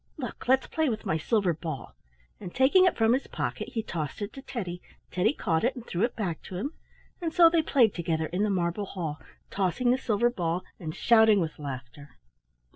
Look! Let's play with my silver ball," and taking it from his pocket he tossed it to Teddy. Teddy caught it and threw it back to him, and so they played together in the marble hall, tossing the silver ball and shouting with laughter.